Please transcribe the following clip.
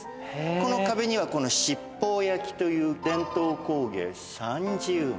この壁には七宝焼という伝統工芸３０枚。